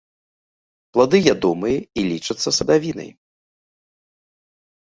Плады ядомыя і лічацца садавінай.